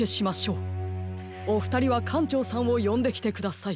おふたりはかんちょうさんをよんできてください。